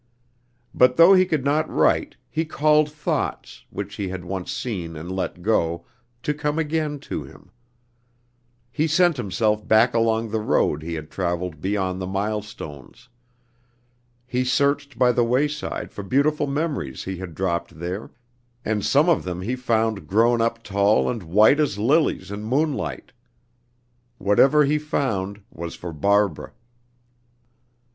But though he could not write, he called thoughts, which he had once seen and let go, to come again to him. He sent himself back along the road he had traveled beyond the milestones. He searched by the wayside for beautiful memories he had dropped there, and some of them he found grown up tall and white as lilies in moonlight. Whatever he found was for Barbara.